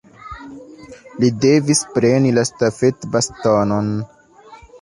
Li devis preni la stafetbastonon.